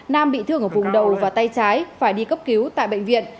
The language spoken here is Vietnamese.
nam bị thương ở vùng đầu và tay trái phải đi cấp cứu tại bệnh viện